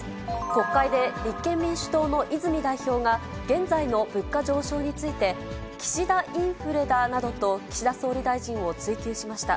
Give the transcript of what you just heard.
国会で立憲民主党の泉代表が、現在の物価上昇について、岸田インフレだなどと岸田総理大臣を追及しました。